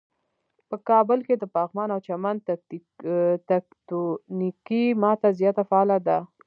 په کابل کې د پغمان او چمن تکتونیکی ماته زیاته فعاله ده.